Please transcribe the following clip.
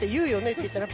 って言ったら。